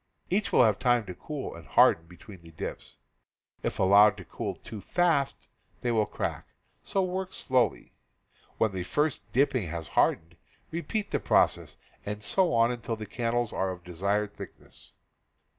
Each will have time to cool and harden between the dips. If allowed to cool too fast they will crack : so work slowly. When the first dipping has hardened, repeat the pro cess, and so on until the candles are of desired thick ness.